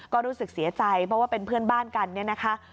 ก็รู้สึกเสียใจเพราะว่าเป็นเพื่อนบ้านกันเนี่ยนะคะ